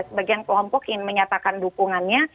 sebagian kelompok yang menyatakan dukungannya